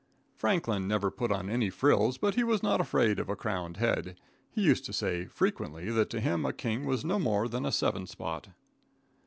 Franklin never put on any frills, but he was not afraid of a crowned head. He used to say, frequently, that to him a king was no more than a seven spot.